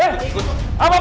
eh udah ikut ikut